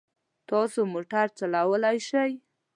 تاسو موټر چلولای شئ؟